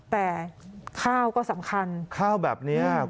แต่ข้าก็สำคัญข้าวแบบเนี้ยอืม